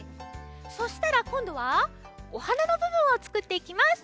そしたらこんどはお花のぶぶんをつくっていきます。